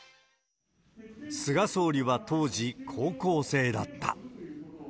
菅総理は当時、高校生だった。